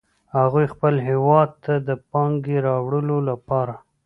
هغوی خپل هیواد ته د پانګې راوړلو لپاره